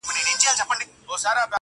لوی څښتن مي دی د رزق پوروړی،